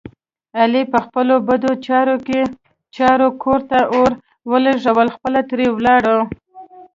علي په خپلو بدو چارو کور ته اور ولږولو خپله ترې ولاړو.